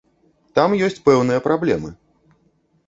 Там ёсць пэўныя праблемы.